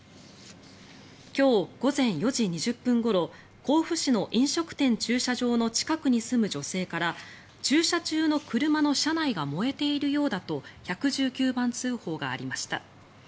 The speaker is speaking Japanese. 今日午前４時２０分ごろ甲府市の飲食店駐車場の近くに住む女性から駐車中の車の車内が燃えているようだと１１９番通報がありました。